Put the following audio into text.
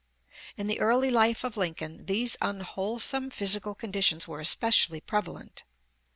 In the early life of Lincoln these unwholesome physical conditions were especially prevalent.